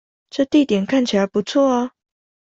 這地點看起來不錯啊